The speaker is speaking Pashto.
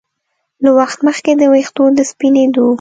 له وخت مخکې د ویښتو د سپینېدو